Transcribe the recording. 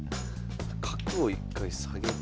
角を一回下げて。